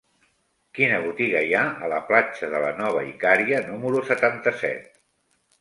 Quina botiga hi ha a la platja de la Nova Icària número setanta-set?